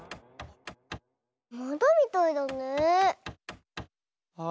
まだみたいだね。あっ！